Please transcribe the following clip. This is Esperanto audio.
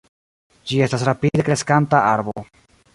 Ĝi estas rapide kreskanta arbo.